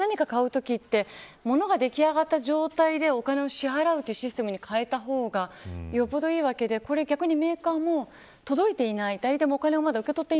でも今、聞いててすごく不思議なのが普通は何かを買うときってものが出来上がった状態でお金を支払うシステムに変えた方がよっぽど、いいわけで逆にメーカーも届いていない。